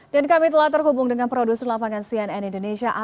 dan kami telah terhubung dengan produser lapangan cnn indonesia